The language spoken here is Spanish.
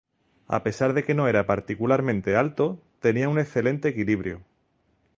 A pesar de que no era particularmente alto, tenía un excelente equilibrio.